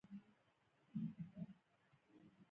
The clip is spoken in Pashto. د وينو بوی مې حس کړ.